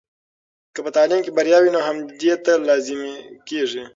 که په تعلیم کې بریا وي، نو همدې ته لازمي کیږي.